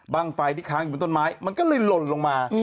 ไฟที่ค้างอยู่บนต้นไม้มันก็เลยหล่นลงมา